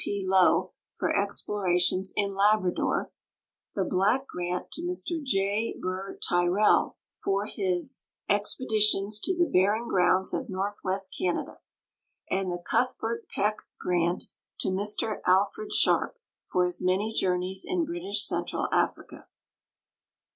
P. Low for explorations in I.«abrador ; the Black grant to Mr .1. Burr Tyrrell for his 217 218 GEOGRAPHIC NOTES expeditions to the Barren Grounds of northwest Canada, and the Cuth bert Peck grant to Mr Alfred Sharjje for his many journeys in British Central Africa.